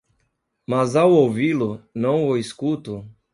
mas ao ouvi-lo, não o escuto